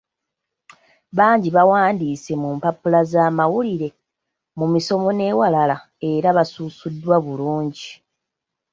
Bangi bawandiise mu mpapula z'amawulire, mu misomo n'ewalala era basasuddwa bulungi.